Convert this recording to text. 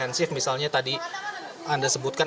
jadi ini adalah hal yang harus diperhatikan